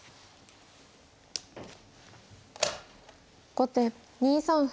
後手２三歩。